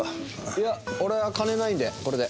いや俺は金ないんでこれで。